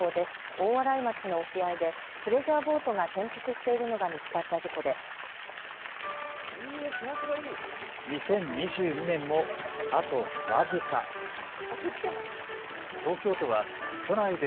大洗町の沖合でプレジャーボートが転覆しているのが見つかった事故で。